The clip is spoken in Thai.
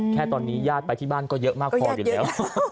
แค่ตอนนี้ญาติไปที่บ้านก็เยอะมากพออยู่แล้ว